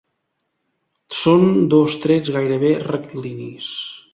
Són dos trets gairebé rectilinis.